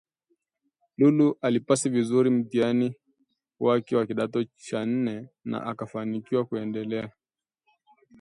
Lulu alipasi vizuri mtihani wake wa kidato cha nne na akafanikiwakuendelea